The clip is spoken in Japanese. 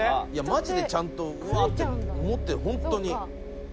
「マジでちゃんとうわって思ってるホントに」